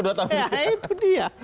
oh dua tahun gitu ya